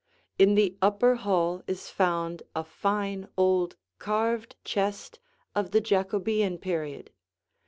In the upper hall is found a fine old carved chest of the Jacobean period.